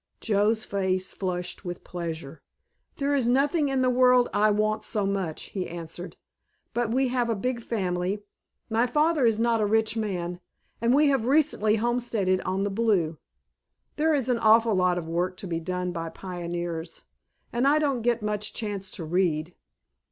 Joe's face flushed with pleasure. "There is nothing in the world I want so much," he answered. "But we have a big family, my father is not a rich man, and we have recently homesteaded on the Blue. There is an awful lot of work to be done by pioneers, and I don't get much chance to read."